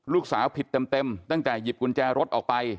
ลูกสาวผิดเต็มตั้งแต่หยิบกุญแจรถออกไป